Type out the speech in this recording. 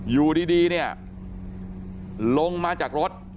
อยู่ดีเนี่ยลงมาจากรถ